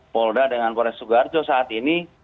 polda dengan porek soekoharjo saat ini